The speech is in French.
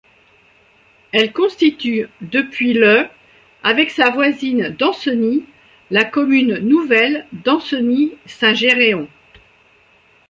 Elle constitue depuis le avec sa voisine d'Ancenis la commune nouvelle d'Ancenis-Saint-Géréon.